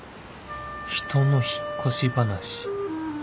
「人の引っ越し話」